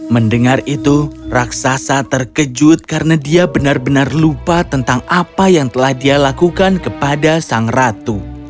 mendengar itu raksasa terkejut karena dia benar benar lupa tentang apa yang telah dia lakukan kepada sang ratu